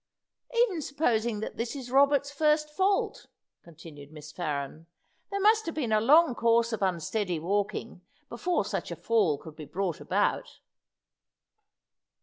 "Even supposing that this is Robert's first fault," continued Miss Farren, "there must have been a long course of unsteady walking before such a fall could be brought about."